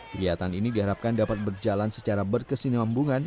kegiatan ini diharapkan dapat berjalan secara berkesinambungan